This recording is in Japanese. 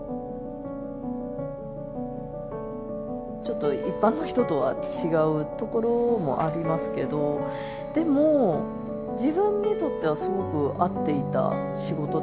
ちょっと一般の人とは違うところもありますけどでも自分にとってはすごく合っていた仕事だったので。